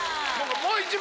もう１枚？